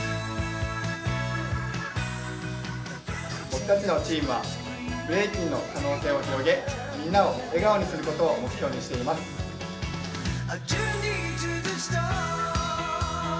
僕たちのチームはブレイキンの可能性を広げみんなを笑顔にすることを目標にしています。